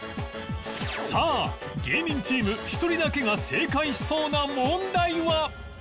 さあ芸人チーム１人だけが正解しそうな問題は